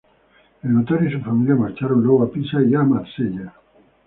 El notario y su familia marcharon luego a Pisa y a Marsella.